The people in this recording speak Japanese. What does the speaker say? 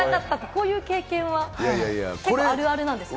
こういう経験は結構あるあるなんですか？